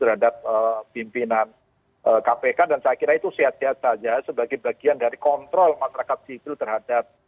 terhadap pimpinan kpk dan saya kira itu sehat sehat saja sebagai bagian dari kontrol masyarakat sipil terhadap